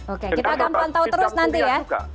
oke kita akan pantau terus nanti ya